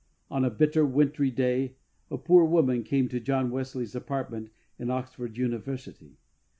On a bitter wintry day a poor woman came to John Wesley^s apartment in Oxford University.